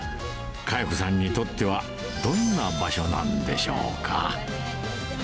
香代子さんにとっては、どんな場所なんでしょうか。